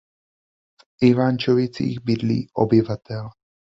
V Ivančicích bydlí obyvatel.